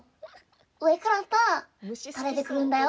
上からさ垂れてくるんだよ